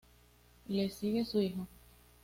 Le sigue su hijo.